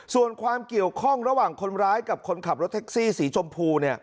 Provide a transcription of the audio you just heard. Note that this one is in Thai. ส่วนความเกี่ยวข้องระหว่างคนร้ายกับคนขับรถแท็กซี่สีชมพู